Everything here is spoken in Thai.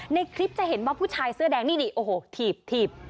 ในคลิปจะเห็นว่าผู้ชายเสื้อแดงนี่นี่โอ้โหถีบ